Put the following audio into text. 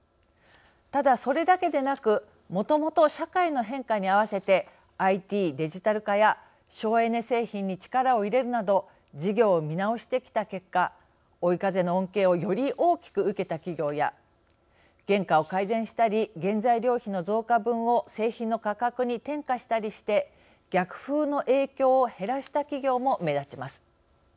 ただ、それだけでなくもともと社会の変化に合わせてＩＴ・デジタル化や省エネ製品に力を入れるなど事業を見直してきた結果追い風の恩恵をより大きく受けた企業や原価を改善したり原材料費の増加分を製品の価格に転嫁したりして逆風の影響を減らした企業も目立ちます。